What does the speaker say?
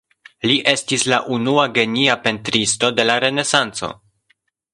Li estis la unua genia pentristo de la Renesanco.